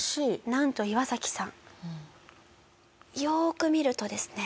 なんとイワサキさんよーく見るとですね